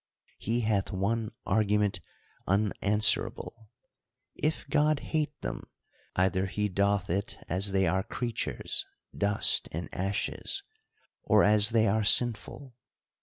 He hath one argument unanswerable. If God hate them, either he doth it as they are creatures, dust and ashes; or as they are sinful.